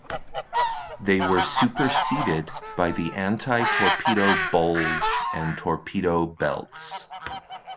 They were superseded by the anti-torpedo bulge and torpedo belts.